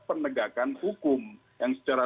penegakan hukum yang secara